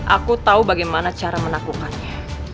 aku tahu bagaimana cara menaklukkannya